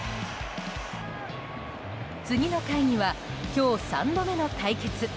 次の回には、今日３度目の対決。